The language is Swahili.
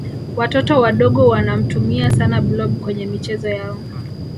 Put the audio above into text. watoto wadogo wanamtumia sana blob kwenye michezo yao